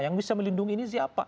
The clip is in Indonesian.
yang bisa melindungi ini siapa